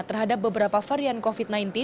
terhadap beberapa varian covid sembilan belas